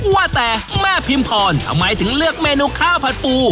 ว่าแต่แม่พิมพรทำไมถึงเลือกเมนูข้าวผัดปู